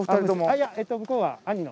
いや向こうは兄の。